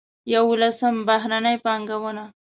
یولسم: بهرنۍ پانګونه.